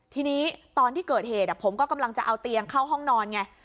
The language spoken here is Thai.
ทีนี้ตอนที่เกิดเหตุผมก็กำลังจะเอาเตียงเข้าห้องนอนไง